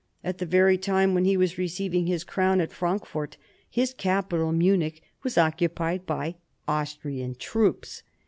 At the very time when he was receiving his crown at Frankfort, his capital, Munich, was occupied by Austrian troops.